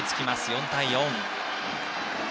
４対４。